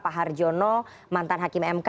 pak harjono mantan hakim mk